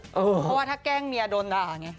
เพราะว่าถ้าแกล้งเมียโดนด่าไง